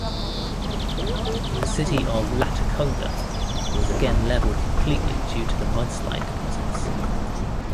The city of Latacunga was again leveled completely due to the mudslide deposits.